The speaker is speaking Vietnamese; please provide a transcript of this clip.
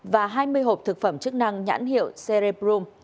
và hai mươi hộp thực phẩm chức năng nhãn hiệu sereprom